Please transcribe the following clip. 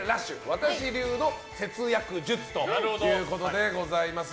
私流の節約術ということでございます。